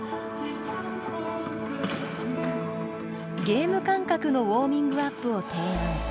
ゲーム感覚のウォーミングアップを提案。